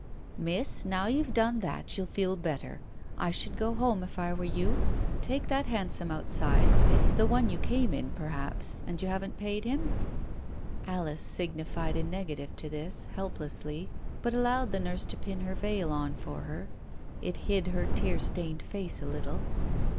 "Miss, now you've done that, you'll feel better. I should go home if I were you. Take that hansom outside. It's the one you came in, perhaps — and you haven't paid him?" Alice signified a negative to this, helplessly, but allowed the nurse to pin her veil on for her. It hid her tear stained face a little.